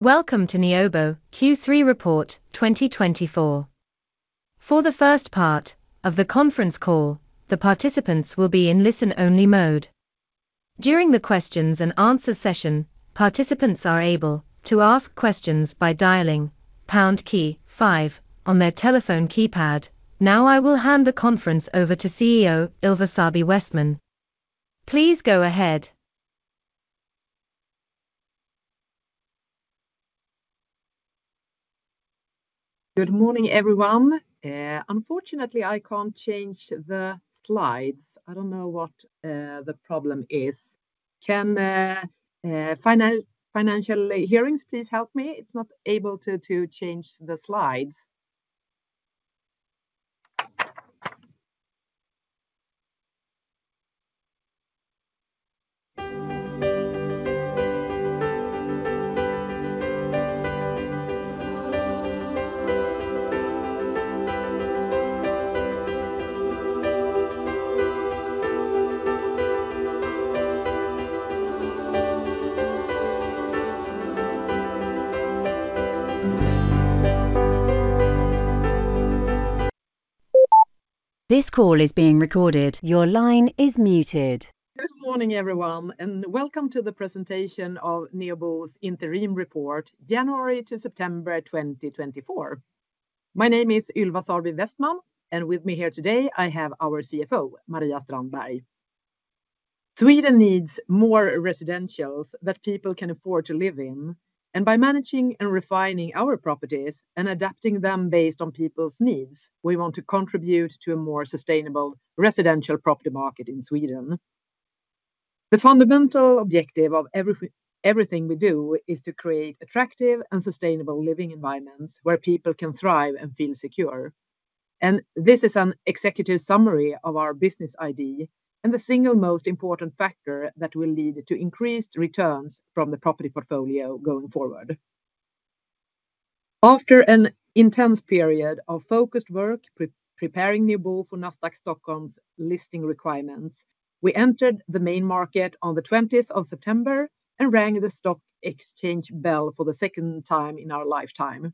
Welcome to Neobo Q3 Report 2024. For the first part of the conference call, the participants will be in listen-only mode. During the questions and answer session, participants are able to ask questions by dialing pound key five on their telephone keypad. Now, I will hand the conference over to CEO, Ylva Sarby Westman. Please go ahead. Good morning, everyone. Unfortunately, I can't change the slides. I don't know what the problem is. Can Financial Hearings please help me? It's not able to change the slides. This call is being recorded. Your line is muted. Good morning, everyone, and welcome to the presentation of Neobo's interim report, January to September 2024. My name is Ylva Sarby Westman, and with me here today, I have our CFO, Maria Strandberg. Sweden needs more residences that people can afford to live in, and by managing and refining our properties and adapting them based on people's needs, we want to contribute to a more sustainable residential property market in Sweden. The fundamental objective of everything we do is to create attractive and sustainable living environments where people can thrive and feel secure, and this is an executive summary of our business idea, and the single most important factor that will lead to increased returns from the property portfolio going forward. After an intense period of focused work, preparing Neobo for Nasdaq Stockholm's listing requirements, we entered the main market on the 20th of September and rang the stock exchange bell for the second time in our lifetime.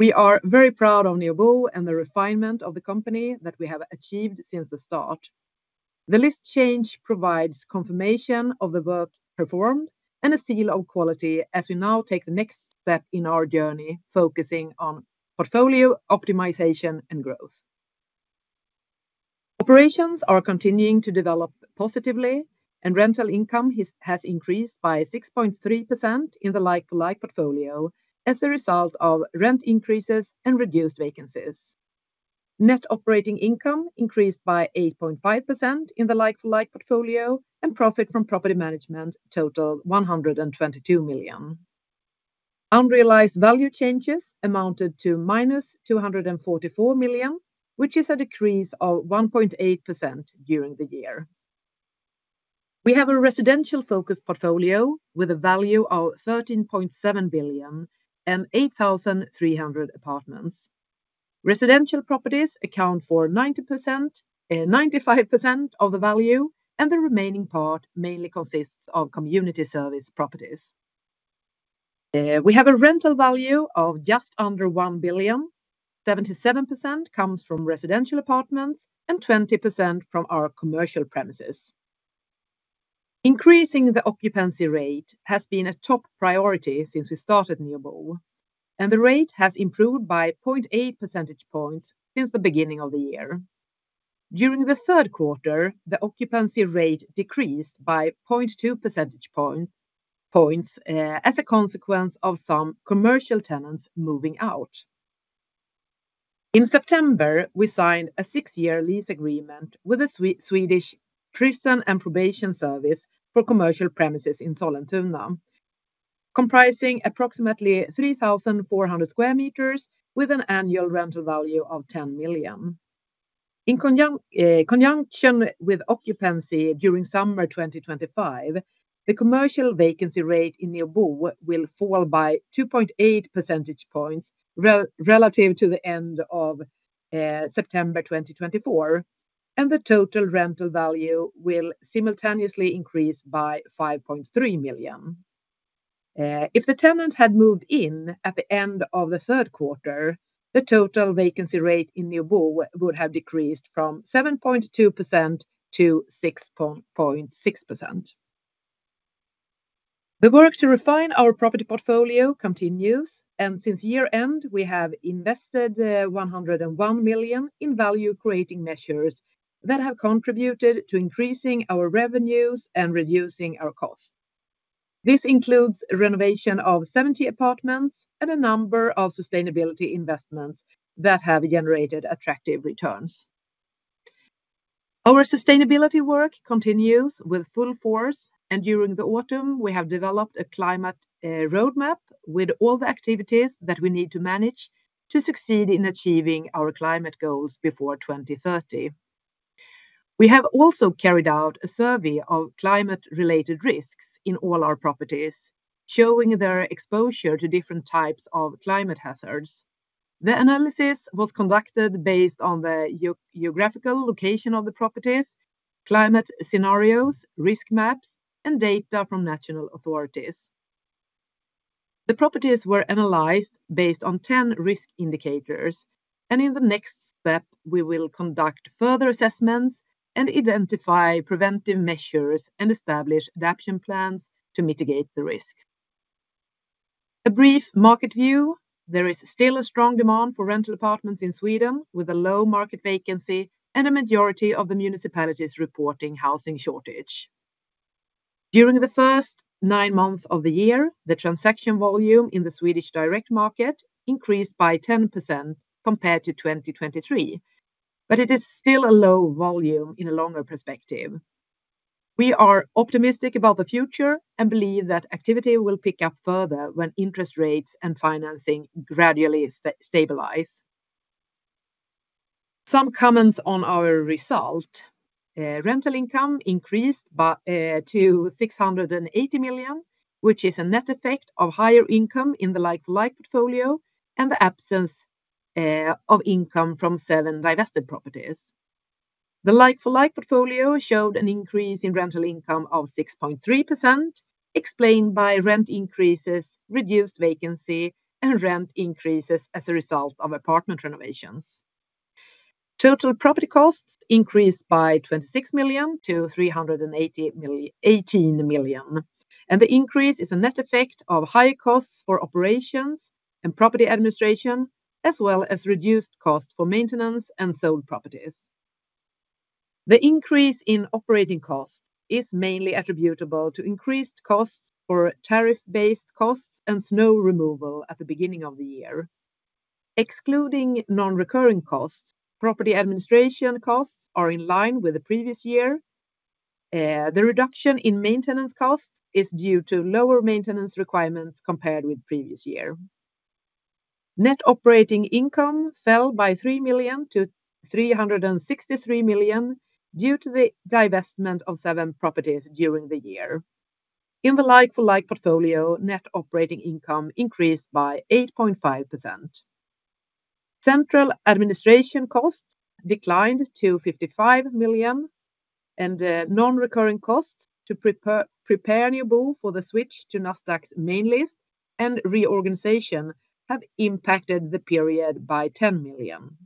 We are very proud of Neobo and the refinement of the company that we have achieved since the start. The listing change provides confirmation of the work performed and a seal of quality as we now take the next step in our journey, focusing on portfolio optimization and growth. Operations are continuing to develop positively, and rental income has increased by 6.3% in the like-for-like portfolio as a result of rent increases and reduced vacancies. Net operating income increased by 8.5% in the like-for-like portfolio, and profit from property management totaled 122 million SEK. Unrealized value changes amounted to -244 million, which is a decrease of 1.8% during the year. We have a residential-focused portfolio with a value of 13.7 billion and 8,300 apartments. Residential properties account for 90%, 95% of the value, and the remaining part mainly consists of community service properties. We have a rental value of just under 1 billion, 77% comes from residential apartments and 20% from our commercial premises. Increasing the occupancy rate has been a top priority since we started Neobo, and the rate has improved by 0.8 percentage points since the beginning of the year. During the third quarter, the occupancy rate decreased by 0.2 percentage points as a consequence of some commercial tenants moving out. In September, we signed a six-year lease agreement with the Swedish Prison and Probation Service for commercial premises in Sollentuna, comprising approximately 3,400 square meters with an annual rental value of 10 million. In conjunction with occupancy during summer 2025, the commercial vacancy rate in Neobo will fall by 2.8 percentage points relative to the end of September 2024, and the total rental value will simultaneously increase by 5.3 million. If the tenant had moved in at the end of the third quarter, the total vacancy rate in Neobo would have decreased from 7.2% to 6.6%. The work to refine our property portfolio continues, and since year-end, we have invested 101 million in value-creating measures that have contributed to increasing our revenues and reducing our costs. This includes renovation of 70 apartments and a number of sustainability investments that have generated attractive returns. Our sustainability work continues with full force, and during the autumn, we have developed a climate roadmap with all the activities that we need to manage to succeed in achieving our climate goals before 2030. We have also carried out a survey of climate-related risks in all our properties, showing their exposure to different types of climate hazards. The analysis was conducted based on the geographical location of the properties, climate scenarios, risk maps, and data from national authorities. The properties were analyzed based on 10 risk indicators, and in the next step, we will conduct further assessments and identify preventive measures and establish adaptation plans to mitigate the risk. A brief market view, there is still a strong demand for rental apartments in Sweden, with a low market vacancy and a majority of the municipalities reporting housing shortage. During the first nine months of the year, the transaction volume in the Swedish direct market increased by 10% compared to 2023, but it is still a low volume in a longer perspective. We are optimistic about the future and believe that activity will pick up further when interest rates and financing gradually stabilize. Some comments on our result. Rental income increased to 680 million, which is a net effect of higher income in the like-for-like portfolio and the absence of income from seven divested properties. The like-for-like portfolio showed an increase in rental income of 6.3%, explained by rent increases, reduced vacancy, and rent increases as a result of apartment renovations. Total property costs increased by 26 million to 318 million, and the increase is a net effect of higher costs for operations and property administration, as well as reduced costs for maintenance and sold properties. The increase in operating costs is mainly attributable to increased costs for tariff-based costs and snow removal at the beginning of the year. Excluding non-recurring costs, property administration costs are in line with the previous year. The reduction in maintenance costs is due to lower maintenance requirements compared with previous year. Net operating income fell by 3 million to 363 million due to the divestment of seven properties during the year. In the like-for-like portfolio, net operating income increased by 8.5%. Central administration costs declined to 55 million, and the non-recurring costs to prepare Neobo for the switch to Nasdaq Main List and reorganization have impacted the period by 10 million.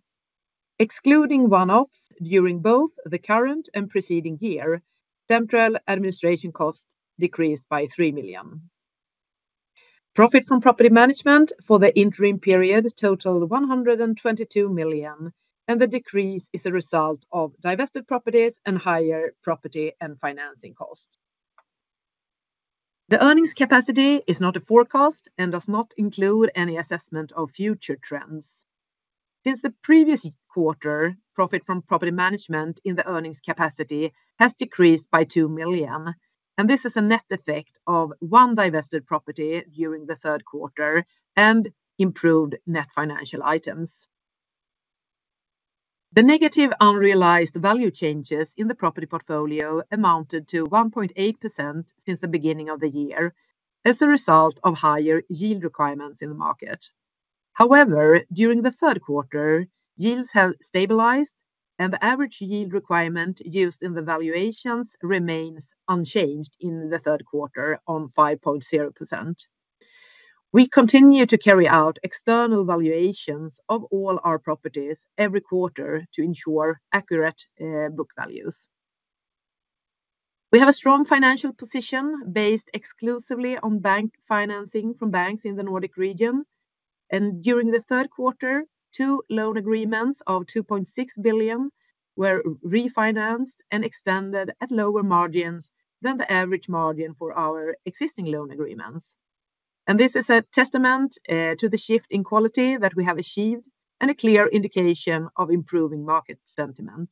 Excluding one-offs during both the current and preceding year, central administration costs decreased by 3 million. Profit from property management for the interim period totaled 122 million, and the decrease is a result of divested properties and higher property and financing costs. The earnings capacity is not a forecast and does not include any assessment of future trends. Since the previous quarter, profit from property management in the earnings capacity has decreased by 2 million, and this is a net effect of one divested property during the third quarter and improved net financial items. The negative unrealized value changes in the property portfolio amounted to 1.8% since the beginning of the year as a result of higher yield requirements in the market. However, during the third quarter, yields have stabilized, and the average yield requirement used in the valuations remains unchanged in the third quarter on 5.0%. We continue to carry out external valuations of all our properties every quarter to ensure accurate book values. We have a strong financial position based exclusively on bank financing from banks in the Nordic region, and during the third quarter, two loan agreements of 2.6 billion were refinanced and extended at lower margins than the average margin for our existing loan agreements. And this is a testament to the shift in quality that we have achieved and a clear indication of improving market sentiment.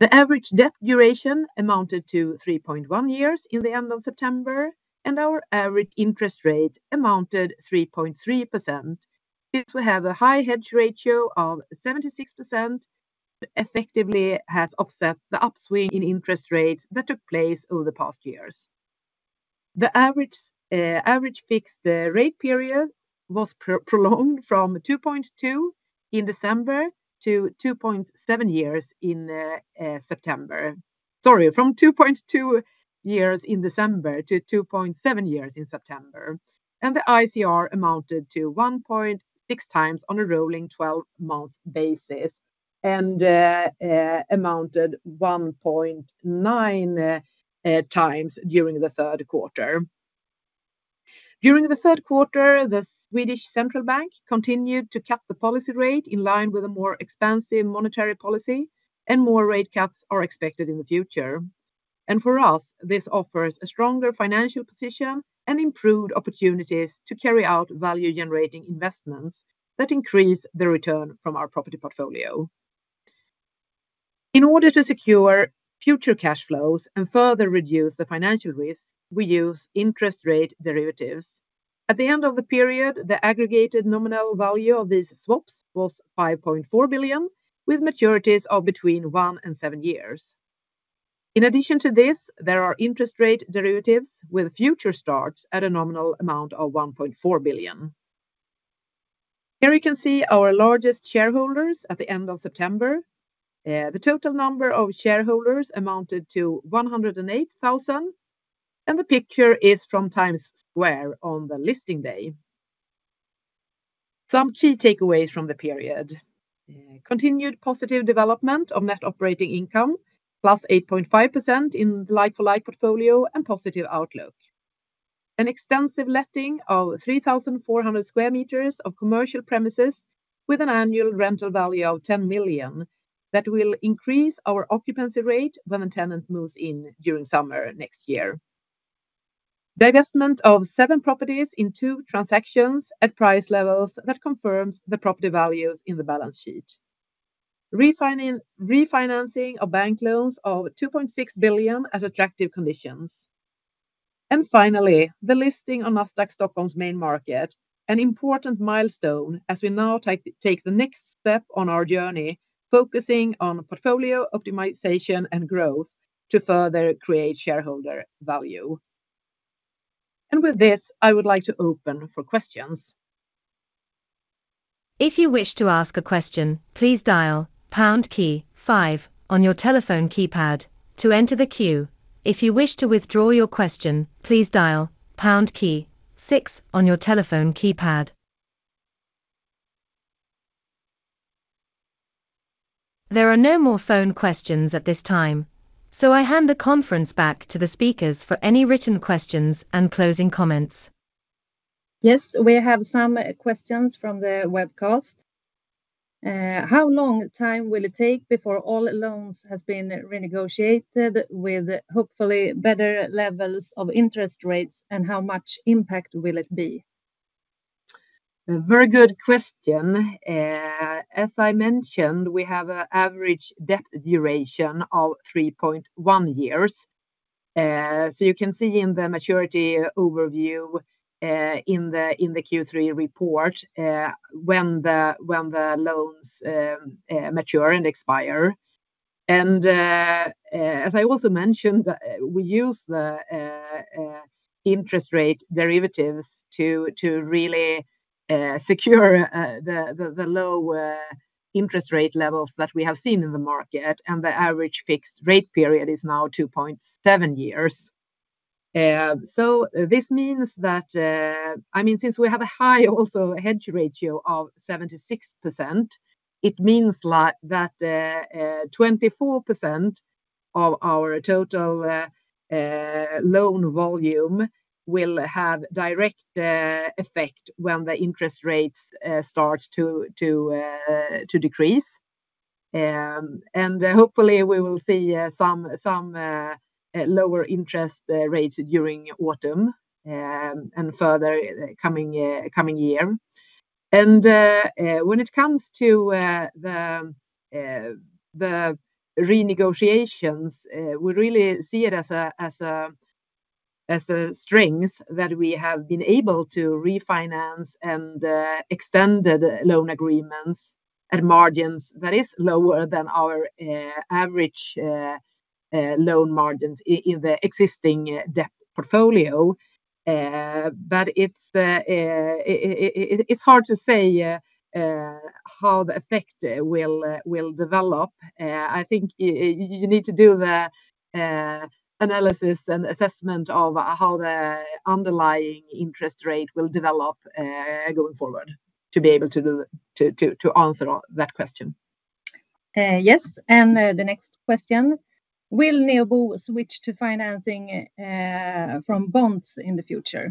The average debt duration amounted to 3.1 years in the end of September, and our average interest rate amounted 3.3%. Since we have a high hedge ratio of 76%, effectively has offset the upswing in interest rates that took place over the past years. The average fixed rate period was prolonged from 2.2 in December to 2.7 years in September. Sorry, from 2.2 years in December to 2.7 years in September, and the ICR amounted to 1.6 times on a rolling twelve-month basis and amounted 1.9x during the third quarter. During the third quarter, the Swedish Central Bank continued to cut the policy rate in line with a more expansive monetary policy, and more rate cuts are expected in the future. For us, this offers a stronger financial position and improved opportunities to carry out value-generating investments that increase the return from our property portfolio. In order to secure future cash flows and further reduce the financial risk, we use interest rate derivatives. At the end of the period, the aggregated nominal value of these swaps was 5.4 billion, with maturities of between one and seven years. In addition to this, there are interest rate derivatives with future starts at a nominal amount of 1.4 billion. Here you can see our largest shareholders at the end of September. The total number of shareholders amounted to 108,000, and the picture is from Times Square on the listing day. Some key takeaways from the period. Continued positive development of net operating income, +8.5% in like-for-like portfolio and positive outlook. An extensive letting of 3,400 square meters of commercial premises with an annual rental value of 10 million that will increase our occupancy rate when the tenant moves in during summer next year. Divestment of seven properties in two transactions at price levels that confirms the property values in the balance sheet. Refinancing of bank loans of 2.6 billion at attractive conditions. And finally, the listing on Nasdaq Stockholm's main market, an important milestone as we now take the next step on our journey, focusing on portfolio optimization and growth to further create shareholder value. And with this, I would like to open for questions. If you wish to ask a question, please dial pound key five on your telephone keypad to enter the queue. If you wish to withdraw your question, please dial pound key six on your telephone keypad. There are no more phone questions at this time, so I hand the conference back to the speakers for any written questions and closing comments. Yes, we have some questions from the webcast. How long time will it take before all loans has been renegotiated with hopefully better levels of interest rates, and how much impact will it be? A very good question. As I mentioned, we have a average debt duration of 3.1 years. So you can see in the maturity overview in the Q3 report when the loans mature and expire. And as I also mentioned, we use the interest rate derivatives to really secure the low interest rate levels that we have seen in the market, and the average fixed rate period is now 2.7 years. So this means that, I mean, since we have a high also hedge ratio of 76%, it means like that 24% of our total loan volume will have direct effect when the interest rates start to decrease, and hopefully, we will see some lower interest rates during autumn, and further coming year, and when it comes to the renegotiations, we really see it as a strength that we have been able to refinance and extend the loan agreements at margins that is lower than our average loan margins in the existing debt portfolio, but it's hard to say how the effect will develop. I think you need to do the analysis and assessment of how the underlying interest rate will develop going forward to be able to do to answer that question. Yes, and the next question: Will Neobo switch to financing from bonds in the future?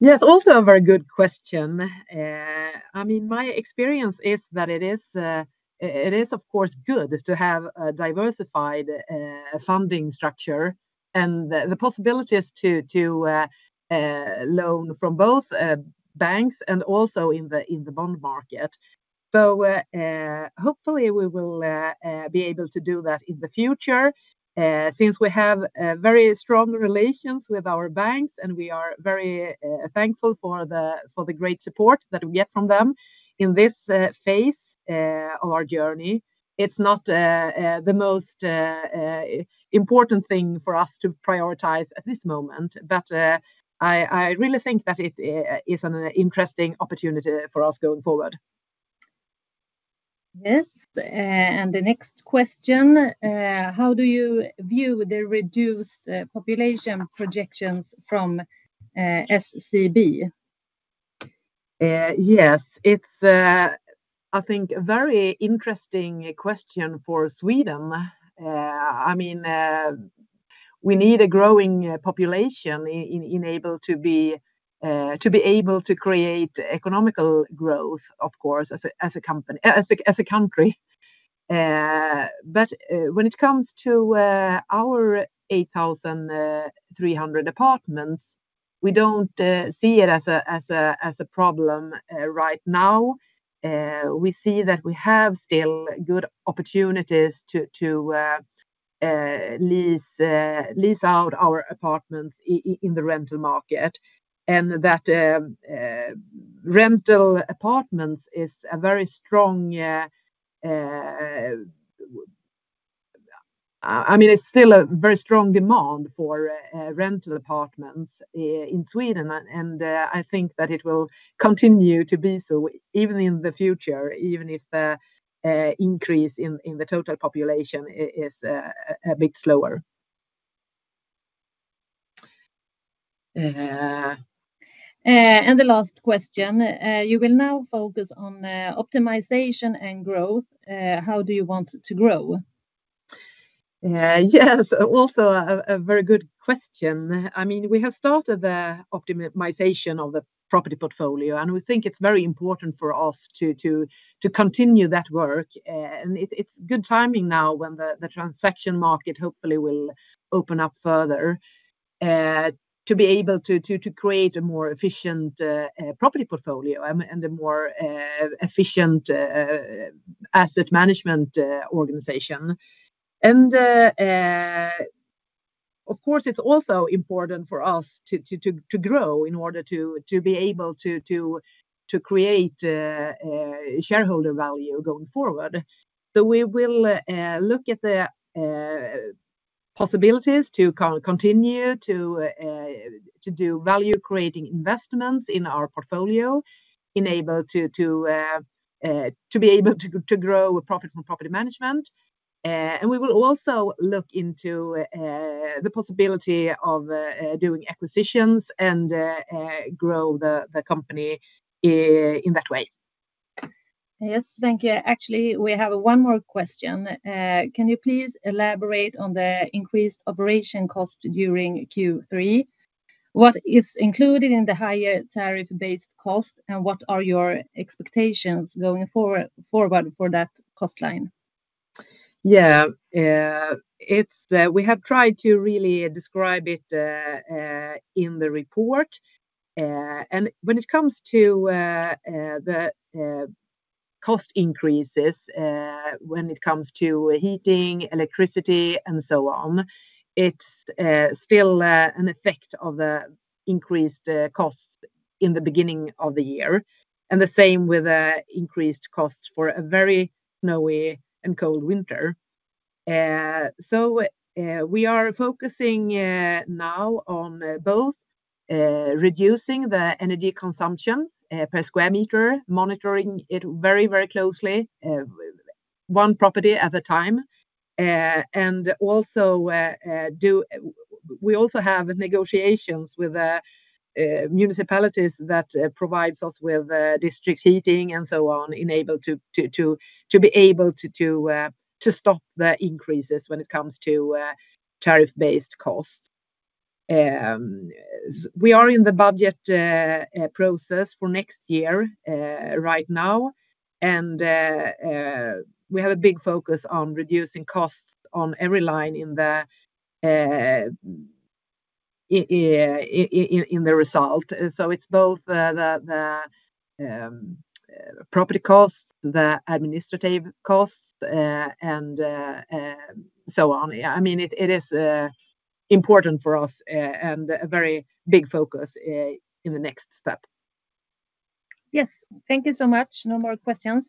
Yes, also a very good question. I mean, my experience is that it is, of course, good to have a diversified funding structure and the possibilities to loan from both banks and also in the bond market. So, hopefully, we will be able to do that in the future. Since we have very strong relations with our banks, and we are very thankful for the great support that we get from them in this phase of our journey. It's not the most important thing for us to prioritize at this moment, but I really think that it is an interesting opportunity for us going forward. Yes, and the next question: How do you view the reduced population projections from SCB? Yes, it's, I think, a very interesting question for Sweden. I mean, we need a growing population in order to be able to create economical growth, of course, as a country. But when it comes to our 8,300 apartments, we don't see it as a problem right now. We see that we have still good opportunities to lease out our apartments in the rental market, and that rental apartments is a very strong, I mean, it's still a very strong demand for rental apartments in Sweden. I think that it will continue to be so even in the future, even if the increase in the total population is a bit slower. And the last question. You will now focus on optimization and growth. How do you want it to grow? Yes, also a very good question. I mean, we have started the optimization of the property portfolio, and we think it's very important for us to continue that work. And it is good timing now when the transaction market hopefully will open up further to be able to create a more efficient property portfolio and a more efficient asset management organization. Of course, it's also important for us to grow in order to be able to create shareholder value going forward. So we will look at the possibilities to continue to do value-creating investments in our portfolio to be able to grow a profit from property management. And we will also look into the possibility of doing acquisitions and grow the company in that way. Yes, thank you. Actually, we have one more question. Can you please elaborate on the increased operation cost during Q3? What is included in the higher tariff-based cost, and what are your expectations going forward for that cost line? Yeah. It's... We have tried to really describe it in the report. And when it comes to the cost increases, when it comes to heating, electricity, and so on, it's still an effect of the increased cost in the beginning of the year, and the same with the increased costs for a very snowy and cold winter. So, we are focusing now on both reducing the energy consumption per square meter, monitoring it very, very closely one property at a time. And also, we also have negotiations with the municipalities that provides us with district heating and so on, enable to be able to to stop the increases when it comes to tariff-based costs. We are in the budget process for next year, right now, and we have a big focus on reducing costs on every line in the result. So it's both the property costs, the administrative costs, and so on. I mean, it is important for us, and a very big focus in the next step. Yes. Thank you so much. No more questions.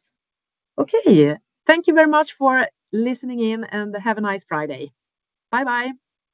Okay. Thank you very much for listening in, and have a nice Friday. Bye-bye!